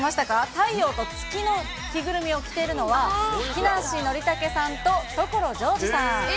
太陽と月の着ぐるみを着ているのは、木梨憲武さんと所ジョージさん。